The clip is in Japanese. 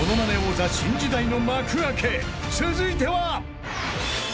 ［続いては］